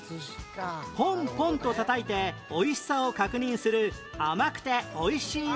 ぽんぽんと叩いておいしさを確認する甘くておいしいもの